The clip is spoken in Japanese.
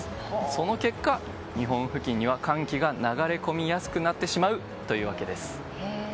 その結果、日本付近には寒気が流れ込みやすくなってしまうということです。